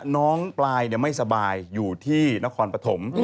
น้องปลายไม่สบายอยู่ที่นครปฐม